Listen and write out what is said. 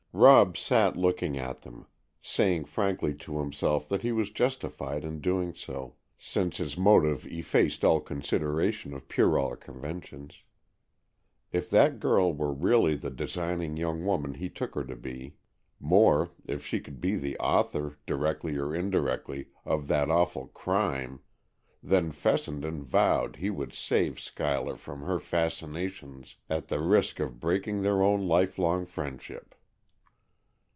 Rob sat looking at them, saying frankly to himself that he was justified in doing so, since his motive effaced all consideration of puerile conventions. If that girl were really the designing young woman he took her to be,—more, if she could be the author, directly or indirectly, of that awful crime,—then Fessenden vowed he would save Schuyler from her fascinations at the risk of breaking their own lifelong friendship.